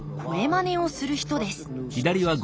まねをする人です